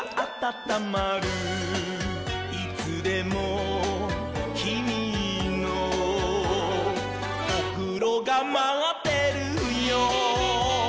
「いつでもきみのおふろがまってるよ」